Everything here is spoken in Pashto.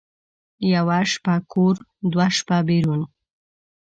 یوه شپه کور، دوه شپه بېرون.